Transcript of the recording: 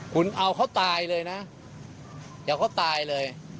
คุณเอาเขาตายเลยนะเดี๋ยวเขาตายเลย